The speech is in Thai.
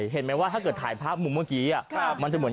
จะเหมือนถ่ายภาพเมื่อกี้มันจะเหมือน